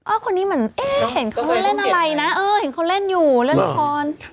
คนนี้เหมือนเอ๊ะเห็นเขาเล่นอะไรนะเออเห็นเขาเล่นอยู่เล่นละคร